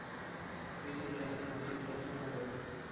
Riiser-Larsen nació en Oslo, Noruega.